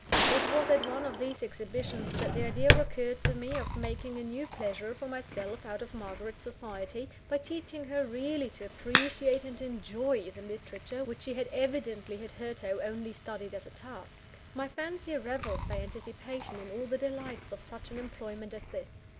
It was at one of these exhibitions that the idea occurred to me of making a new pleasure for myself out of Margaret's society, by teaching her really to appreciate and enjoy the literature which she had evidently hitherto only studied as a task. My fancy revelled by anticipation in all the delights of such an employment as this.